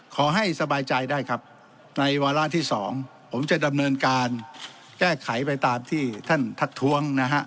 ขอให้สบายใจได้ครับในวาระที่สองผมจะดำเนินการแก้ไขไปตามที่ท่านทักท้วงนะฮะ